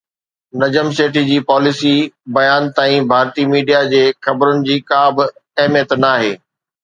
نجم سيٺي جي پاليسي بيان تائين ڀارتي ميڊيا جي خبرن جي ڪا به اهميت ناهي